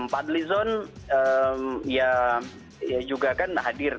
pak adlizon ya juga kan hadir